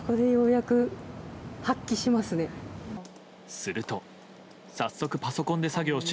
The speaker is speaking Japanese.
すると早速、パソコンで作業し。